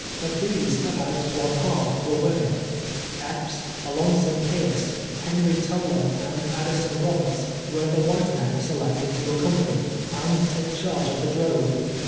Of these about one half were women. Epps, Alonson Pierce, Henry Toler, and Addison Koberts, were the Avhite men, selected to accompany, and take charge of the drove.